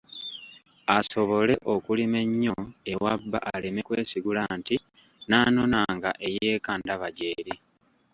Asobole okulima ennyo ewa bba aleme kwesigula nti naanonanga ey’eka ndaba gy'eri.